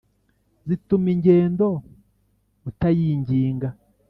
zituma ingendo utayinginga